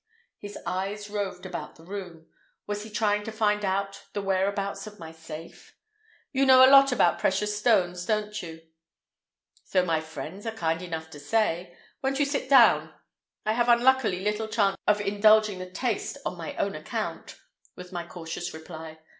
His eyes roved about the room. Was he trying to find the whereabouts of my safe? "You know a lot about precious stones, don't you?" "So my friends are kind enough to say. Won't you sit down? I have unluckily little chance of indulging the taste on my own account," was my cautious reply.